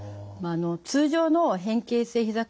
通常の変形性ひざ